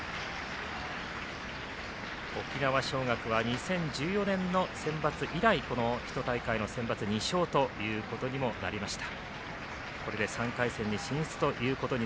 沖縄尚学は２０１４年の選抜以来この春センバツ２勝ということになりました。